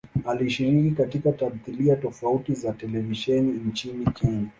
Alishiriki katika tamthilia tofauti za televisheni nchini Kenya.